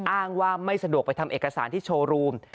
อ้างว่าไม่สะดวกไปทำเอกสารที่โชว์รูม